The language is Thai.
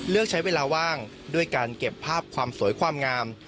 ใช้เวลาว่างด้วยการเก็บภาพความสวยความงาม